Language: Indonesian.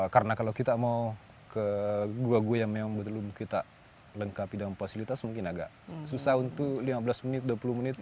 karena kalau kita mau ke gua gua yang memang betul betul kita lengkapi dalam fasilitas mungkin agak susah untuk lima belas menit dua puluh menit